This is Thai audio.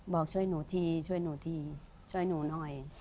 บอกช่วยหนูทีช่วยหนูทีช่วยหนูหน่อย